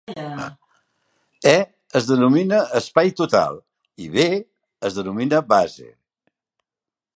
"E" es denomina espai total i "B" es denomina base.